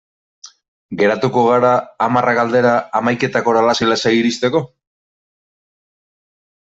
Geratuko gara hamarrak aldera, hamaiketarako lasai-lasai iristeko?